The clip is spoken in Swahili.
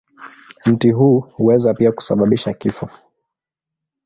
Mti huu huweza pia kusababisha kifo.